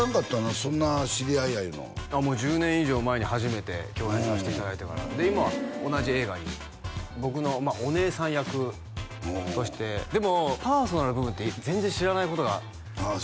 そんな知り合いやいうのもう１０年以上前に初めて共演させていただいてからで今同じ映画に僕のお姉さん役としてでもパーソナルな部分って全然知らないことがああ